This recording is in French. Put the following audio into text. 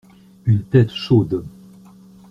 Une tête chaude.